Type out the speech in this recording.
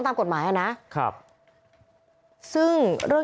คุณผู้ชมไปฟังเสียงพร้อมกัน